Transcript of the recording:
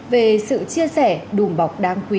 về sự chia sẻ đùm bọc đáng quý